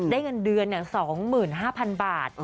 เงินเดือน๒๕๐๐๐บาท